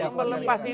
yang tidak melepas itu